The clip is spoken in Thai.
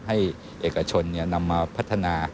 ให้เอกชนนำมาพัฒนา